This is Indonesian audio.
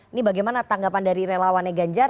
ini bagaimana tanggapan dari relawannya ganjar